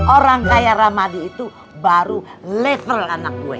orang kaya ramadi itu baru level anak gue